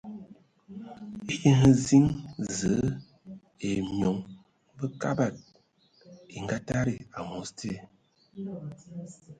Eyǝ hm ziŋ zəǝ ai myɔŋ Bəkabad e ngatadi am̌os te.